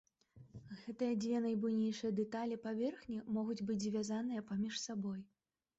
Гэтыя дзве найбуйнейшыя дэталі паверхні могуць быць звязаныя паміж сабой.